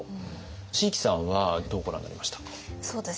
椎木さんはどうご覧になりましたか？